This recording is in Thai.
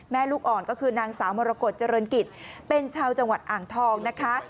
ลูกอ่อนก็คือนางสาวมรกฏเจริญกิจเป็นชาวจังหวัดอ่างทองนะคะ